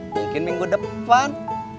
mungkin minggu depan